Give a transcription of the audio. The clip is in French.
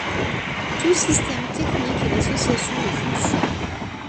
Tout système technique est l'association de fonctions.